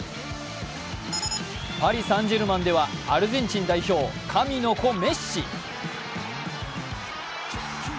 パリ・サン＝ジェルマンではアルゼンチン代表、神の子・メッシ。